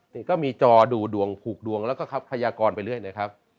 นี่ก็มีจอดูดวงผูกดวงแล้วก็ครับพยากรไปเรื่อยนะครับ